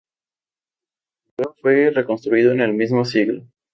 Luego fue reconstruido en el mismo siglo.